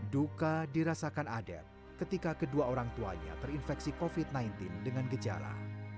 duka dirasakan adet ketika kedua orang tuanya terinfeksi covid sembilan belas dengan gejala